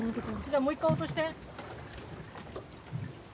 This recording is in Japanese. じゃあもう一回落として。